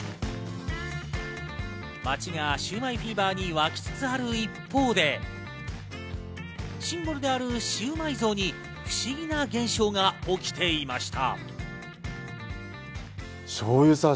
街がシウマイフィーバーに沸きつつある一方で、シンボルであるシウマイ像に不思議な現象が起きていました。